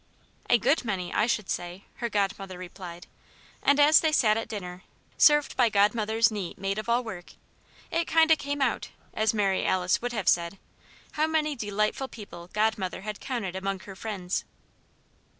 "A good many, I should say," her godmother replied. And as they sat at dinner, served by Godmother's neat maid of all work, it "kind o' came out," as Mary Alice would have said, how many delightful people Godmother had counted among her friends.